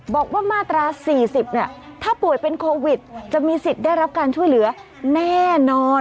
บอกว่ามาตรา๔๐ถ้าป่วยเป็นโควิดจะมีสิทธิ์ได้รับการช่วยเหลือแน่นอน